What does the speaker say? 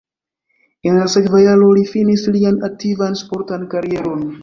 En la sekva jaro li finis lian aktivan sportan karieron.